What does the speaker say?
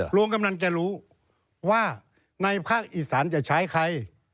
ลุงกำลังจะรู้ว่าในภาคอีสานจะใช้ใคร